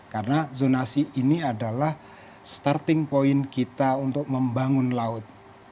karena zonasi ini adalah starting point kita untuk membangun laut